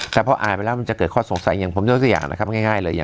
แต่พออ่านไปแล้วมันจะเกิดข้อสงสัยอย่างผมยกตัวอย่างนะครับง่ายเลย